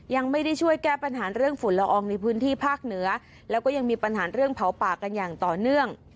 ยังไม่ได้ช่วยแก้ปัญหาเรื่องฝุ่นละอองในพื้นที่ภาคเหนือแล้วก็ยังมีปัญหาเรื่องเผาป่ากันอย่างต่อเนื่อง